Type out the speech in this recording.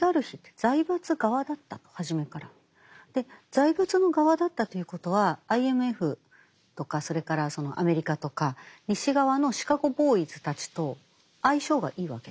財閥の側だったということはＩＭＦとかそれからアメリカとか西側のシカゴ・ボーイズたちと相性がいいわけです。